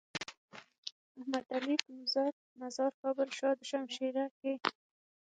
احمد علي کهزاد مزار کابل شاه دو شمشيره کي۔